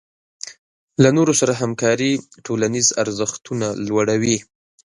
له نورو سره همکاري ټولنیز ارزښتونه لوړوي.